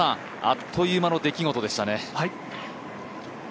あっという間の出来事でしたね。